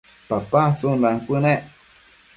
papa tsundan cuënec